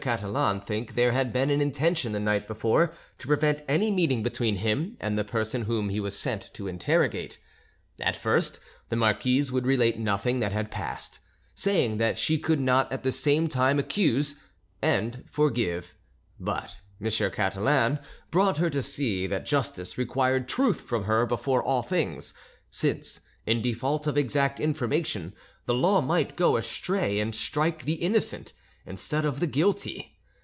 Catalan think there had been an intention the night before to prevent any meeting between him and the person whom he was sent to interrogate. At first the marquise would relate nothing that had passed, saying that she could not at the same time accuse and forgive; but M. Catalan brought her to see that justice required truth from her before all things, since, in default of exact information, the law might go astray, and strike the innocent instead of the guilty.